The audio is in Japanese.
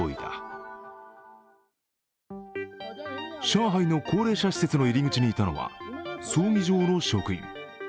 上海の高齢者施設の入り口にいたのは葬儀場の職員。